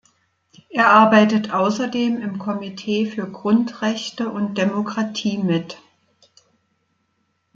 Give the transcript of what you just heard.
Er arbeitet außerdem im Komitee für Grundrechte und Demokratie mit.